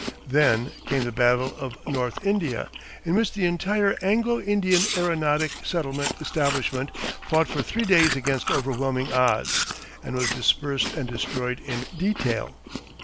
Then came the Battle of North India, in which the entire Anglo Indian aeronautic settlement establishment fought for three days against overwhelming odds, and was dispersed and destroyed in detail.